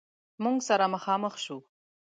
موږ سره مخامخ شو.